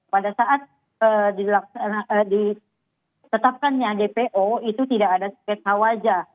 pada saat ditetapkannya dpo itu tidak ada sketsa wajah